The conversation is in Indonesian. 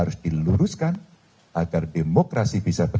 sudroph adapting time sebelas